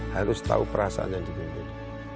harus tahu perasaan yang dipimpin